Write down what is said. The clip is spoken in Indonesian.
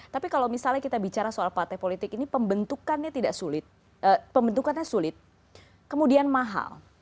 tapi kalau misalnya kita bicara soal pate politik ini pembentukannya sulit kemudian mahal